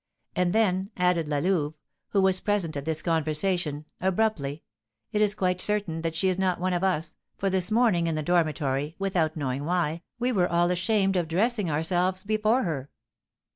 'And then,' added La Louve (who was present at this conversation), abruptly, 'it is quite certain that she is not one of us, for this morning, in the dormitory, without knowing why, we were all ashamed of dressing ourselves before her.'"